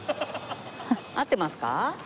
合ってますか？